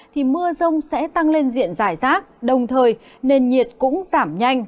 thì mưa rông sẽ tăng lên diện giải rác đồng thời nền nhiệt cũng giảm nhanh